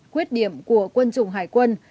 quyết điểm của quân chủng hải quân